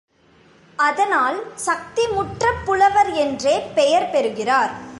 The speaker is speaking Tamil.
அதனால் சக்திமுற்றப் புலவர் என்றே பெயர் பெறுகிறார்.